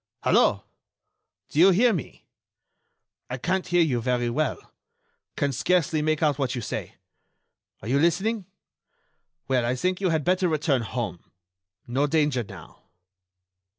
Hello!... Do you hear me?... I can't hear you very well.... Can scarcely make out what you say.... Are you listening? Well, I think you had better return home.... No danger now....